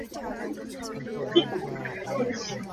Kan meheh cu a khuk aa bil lengmang caah a khuk a kheng dih.